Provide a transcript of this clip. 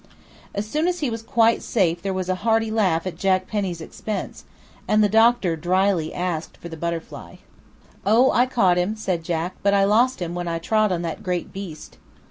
As soon as he was quite safe there was a hearty laugh at Jack Penny's expense; and the doctor drily asked for the butterfly. "Oh, I caught him," said Jack; "but I lost him when I trod on that great beast."